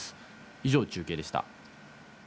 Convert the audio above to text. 以上、中継でした。